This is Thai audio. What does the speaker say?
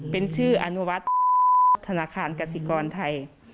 เป็นชื่ออนุวัฒน์ธนาคารกสิกรไทย